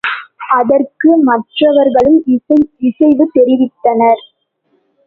அதற்கு மற்றவர்களும் இசைவு தெரிவித்தனர்.